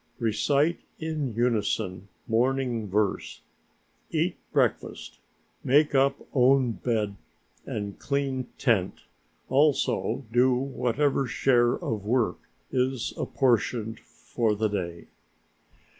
Recite in unison morning verse, eat breakfast, make up own bed and clean tent, also do whatever share of work is apportioned for the day.